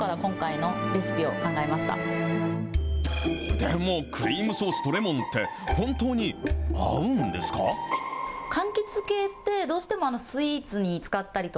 でもクリームソースとレモンって、本当に合うんですか？